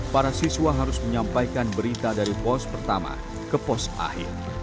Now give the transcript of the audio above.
para siswa harus menyampaikan berita dari pos pertama ke pos akhir